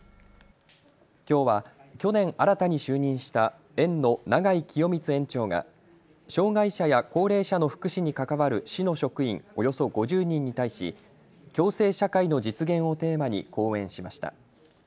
きょうは去年、新たに就任した園の永井清光園長が障害者や高齢者の福祉に関わる市の職員およそ５０人に対し共生社会の実現をテーマに講演しました。